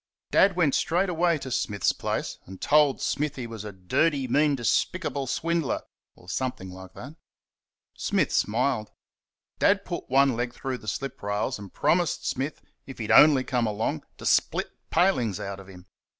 Dad went straightaway to Smith's place, and told Smith he was a dirty, mean, despicable swindler or something like that. Smith smiled. Dad put one leg through the slip rails and promised Smith, if he'd only come along, to split palings out of him.